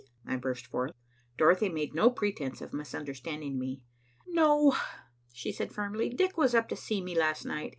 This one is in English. I burst forth. Dorothy made no pretence of misunderstanding me. "No," she said firmly. "Dick was up to see me last night.